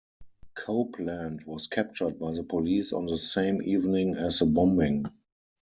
Copeland was captured by the police on the same evening as the bombing.